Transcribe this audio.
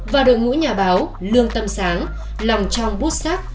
và đội ngũ nhà báo lương tâm sáng lòng trong bút sắc